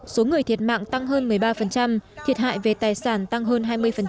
số người thiệt mạng tăng hơn một mươi ba thiệt hại về tài sản tăng hơn hai mươi